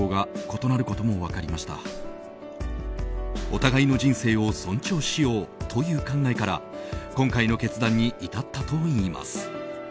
お互いの人生を尊重しようという考えから今回の決断に至ったといいます。